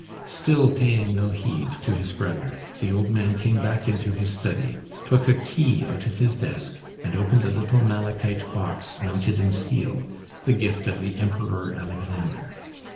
Still paying no heed to his brother, the old man came back into his study, took a key out of his desk, and opened a little malachite box mounted in steel, the gift of the Emperor Alexander.